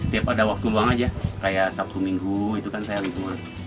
setiap ada waktu buang saja seperti sabtu dan minggu itu kan saya ribuan